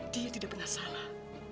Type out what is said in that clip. dia tidak pernah salah